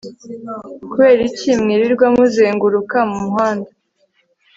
kubera iki mwirirwa muzenguruka mumuhanda